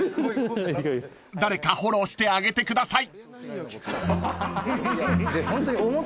［誰かフォローしてあげてください］